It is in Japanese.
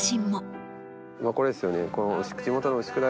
これですよね。